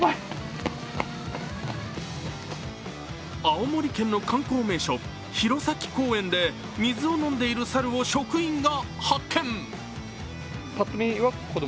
青森県の観光名所・弘前公園で水を飲んでいる猿を職員が発見。